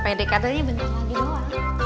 pd katanya bentar lagi doang